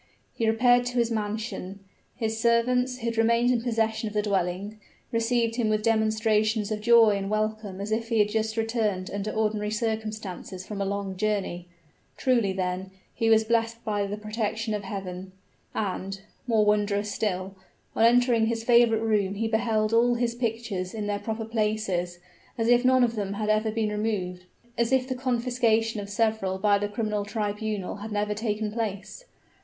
He repaired to his mansion; his servants, who had remained in possession of the dwelling, received him with demonstrations of joy and welcome as if he had just returned under ordinary circumstances from a long journey. Truly, then, he was blessed by the protection of Heaven. And more wondrous still on entering his favorite room he beheld all his pictures in their proper places, as if none of them had ever been removed as if the confiscation of several by the criminal tribunal had never taken place.